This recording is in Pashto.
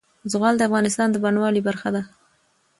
زغال د افغانستان د بڼوالۍ برخه ده.